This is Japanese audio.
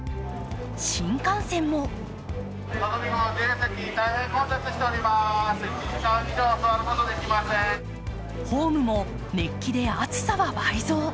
新幹線もホームも熱気で暑さは倍増。